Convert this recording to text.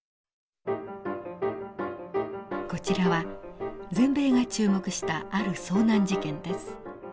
こちらは全米が注目したある遭難事件です。